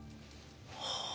はあ。